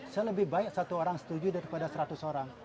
saya lebih baik satu orang setuju daripada seratus orang